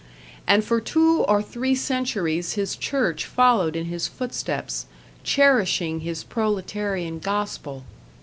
And for two or three centuries his church followed in his footsteps, cherishing his proletarian gospel.